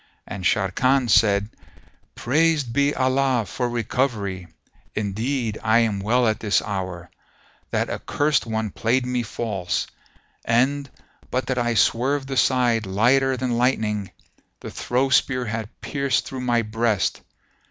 And Sharrkan said, "Praised be Allah for recovery; indeed, I am well at this hour. That accursed one played me false; and, but that I swerved aside lighter than lightening, the throw spear had pierced through my breast.